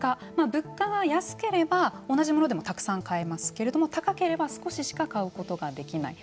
物価が安ければ同じものでもたくさん買えますけど高ければ少ししか買うことができない。